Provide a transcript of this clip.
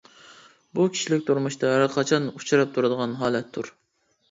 بۇ كىشىلىك تۇرمۇشتا ھەر قاچان ئۇچراپ تۇرىدىغان ھالەتتۇر.